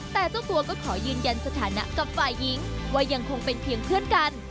แต่เจ้าตัวก็ขอยืนยันสถานะกับฝ่ายหญิงว่ายังคงเป็นเพียงเพื่อนกัน